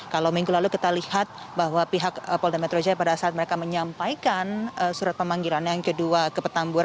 kalau minggu lalu kita lihat bahwa pihak polda metro jaya pada saat mereka menyampaikan surat pemanggilan yang kedua ke petamburan